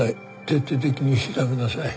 徹底的に調べなさい。